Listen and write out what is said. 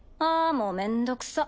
もうめんどくさっ。